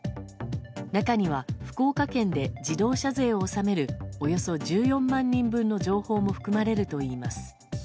中には、福岡県で自動車税を納めるおよそ１４万人分の情報も含まれるといいます。